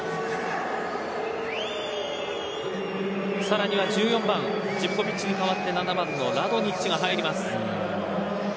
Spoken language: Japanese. さらには１４番ジヴコヴィッチに代わって７番のラドニッチが入ります。